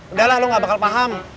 udah lah lo gak bakal paham